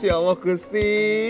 ya allah gusti